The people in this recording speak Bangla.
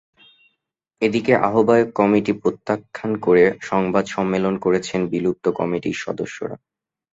এদিকে আহ্বায়ক কমিটি প্রত্যাখ্যান করে সংবাদ সম্মেলন করেছেন বিলুপ্ত কমিটির সদস্যরা।